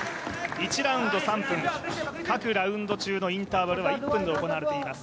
１ラウンド３分、各ラウンド中のインターバルは１分で行われています。